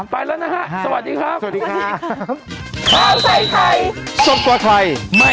โปรดติดตามตอนต่อไป